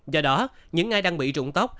do đó những ai đang bị rụng tóc